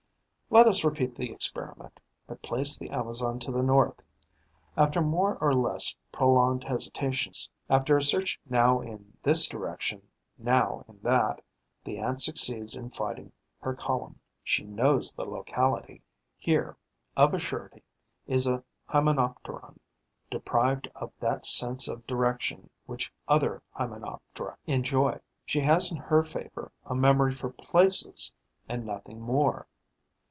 Let us repeat the experiment, but place the Amazon to the north. After more or less prolonged hesitations, after a search now in this direction, now in that, the Ant succeeds in finding her column. She knows the locality. Here, of a surety, is a Hymenopteron deprived of that sense of direction which other Hymenoptera enjoy. She has in her favour a memory for places and nothing more.